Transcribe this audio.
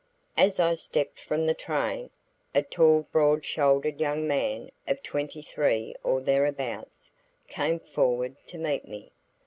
As I stepped from the train, a tall broad shouldered young man of twenty three or thereabouts, came forward to meet me.